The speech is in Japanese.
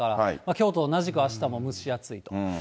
きょうと同じくあしたも蒸し暑い。